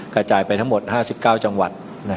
กระจายไปทั้งหมด๕๙จังหวัด